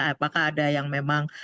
apakah ada yang memang